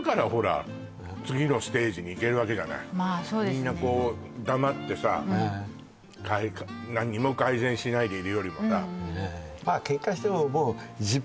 みんなこう黙ってさ何にも改善しないでいるよりもさ